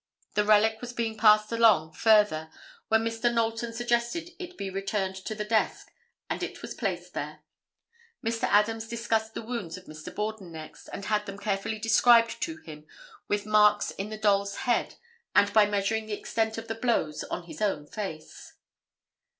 The relic was being passed along further when Mr. Knowlton suggested it be returned to the desk and it was placed there. Mr. Adams discussed the wounds of Mr. Borden next, and had them carefully described to him with marks in the doll's head and by measuring the extent of the blows on his own face.